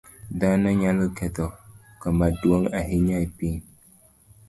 Dhano nyalo ketho kama duong' ahinya e piny.